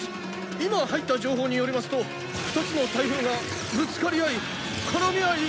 「今入った情報によりますと２つの台風がぶつかり合い絡み合い」